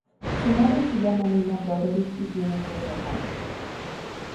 Su madre se llama Nina Broderick y tiene tres hermanas.